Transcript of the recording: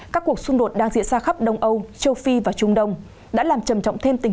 các cuộc xung đột đang diễn ra khắp đông âu châu phi và trung đông đã làm trầm trọng thêm tình